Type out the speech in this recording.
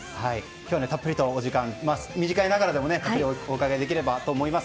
今日はたっぷりとお時間短いながらでもお伺いできればと思います。